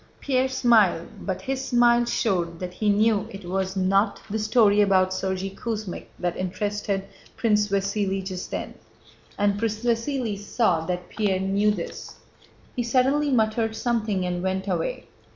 Pierre smiled, but his smile showed that he knew it was not the story about Sergéy Kuzmích that interested Prince Vasíli just then, and Prince Vasíli saw that Pierre knew this. He suddenly muttered something and went away.